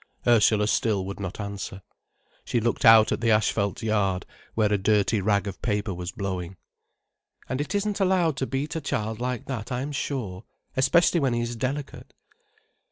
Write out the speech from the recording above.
Ursula still would not answer. She looked out at the asphalt yard, where a dirty rag of paper was blowing. "And it isn't allowed to beat a child like that, I am sure, especially when he is delicate."